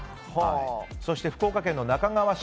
そして福岡県那珂川市